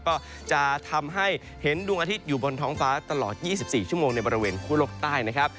ก็จะทำให้เห็นดวงอาทิตย์อยู่บนท้องฟ้าตลอด๒๔ชั่วโมงในบริเวณคั่วโลกใต้นะครับ